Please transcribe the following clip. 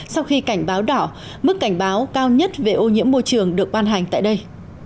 sau khi cảnh báo đỏ mức cảnh báo cao nhất về ô nhiễm môi trường được ban hành tại đây